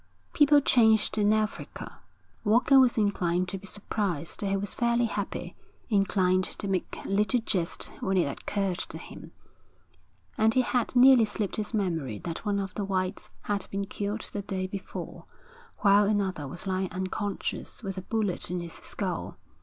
People changed in Africa. Walker was inclined to be surprised that he was fairly happy, inclined to make a little jest when it occurred to him; and it had nearly slipped his memory that one of the whites had been killed the day before, while another was lying unconscious with a bullet in his skull.